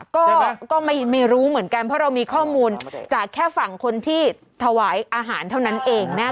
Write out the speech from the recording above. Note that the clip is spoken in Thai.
ก็ไม่รู้เหมือนกันเพราะเรามีข้อมูลจากแค่ฝั่งคนที่ถวายอาหารเท่านั้นเองนะ